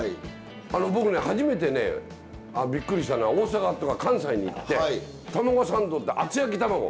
僕ね初めてねびっくりしたのは大阪関西に行ってたまごサンドって厚焼きたまご